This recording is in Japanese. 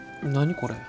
これ。